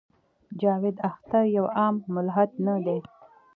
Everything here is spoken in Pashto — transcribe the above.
جاوېد اختر يو عام ملحد نۀ دے